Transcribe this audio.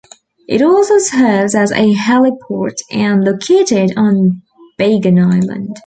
It also serves as a heliport and located on Beigan Island.